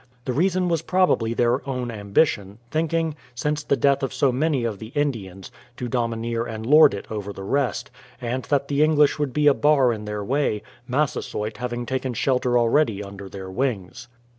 The reason was probably their own ambition, thinking, since the death of so many of the Indians, to domineer and lord it over the rest, and that the English would be a bar in their way, Massasoyt having taken shelter already under their wings.